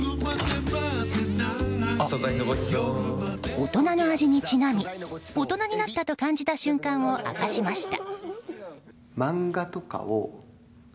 大人の味にちなみ大人になったと感じた瞬間を明かしました。